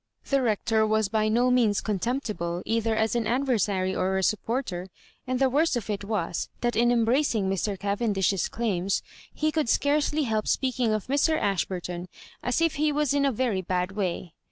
The Rector was by no means contemptible, either as an adversary or a supporter — and the worst of it was, that in embracing Mr. Cavendish's claims, he could scarcely hdp speaking of Mr. Ashburton as if he was in a very bad way.